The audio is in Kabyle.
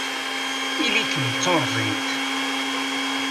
Ili-kem d tuṛẓint!